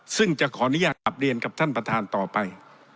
ซึ่งจะขออนุญาตกลับเรียนกับท่านประธานต่อไป